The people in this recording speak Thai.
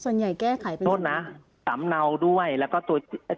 ส่วนใหญ่แก้ไขเป็นโทษนะสำเนาด้วยแล้วก็ตัวจริง